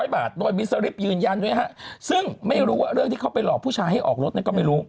๐บาทโดยมิสลิปยืนยันด้วยฮะซึ่งไม่รู้ว่าเรื่องที่เขาไปหลอกผู้ชายให้ออกรถนั้นก็ไม่รู้